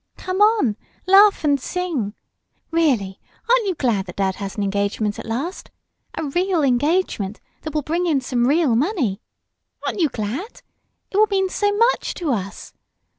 "Come on, laugh and sing! Really, aren't you glad that dad has an engagement at last? A real engagement that will bring in some real money! Aren't you glad? It will mean so much to us!